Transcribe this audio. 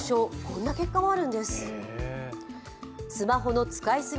こんな結果もあるんです。